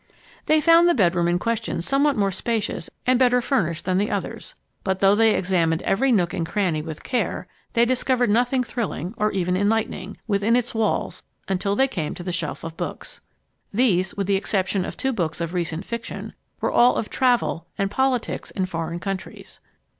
They found the bedroom in question somewhat more spacious and better furnished than the others. But though they examined every nook and cranny with care, they discovered nothing thrilling, or even enlightening, within its walls till they came to the shelf of books. These, with the exception of two books of recent fiction, were all of travel and politics in foreign countries.